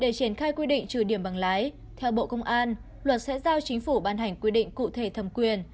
để triển khai quy định trừ điểm bằng lái theo bộ công an luật sẽ giao chính phủ ban hành quy định cụ thể thẩm quyền